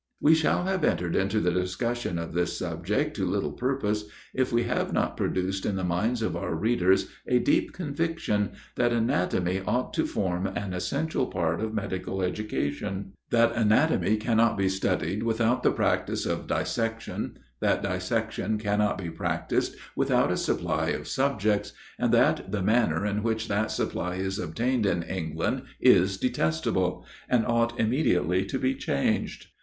We shall have entered into the discussion of this subject to little purpose, if we have not produced in the minds of our readers a deep conviction, that anatomy ought to form an essential part of medical education, that anatomy cannot be studied without the practice of dissection; that dissection cannot be practised without a supply of subjects, and that the manner in which that supply is obtained in England is detestable, and ought immediately to be changed.